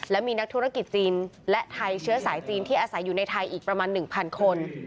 และมีนักธุรกิจจีนและไทยเชื้อสายจีนที่อาศัยอยู่ในไทยอีกประมาณ๑๐๐คน